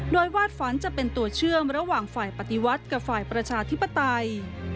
โดยวาดฝันจะเป็นตัวเชื่อมระหว่างฝ่ายปฏิวัติกับฝ่ายประชาธิปไตย